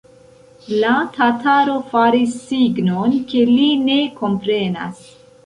La tataro faris signon, ke li ne komprenas.